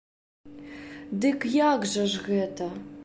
Дык як жа ж гэта?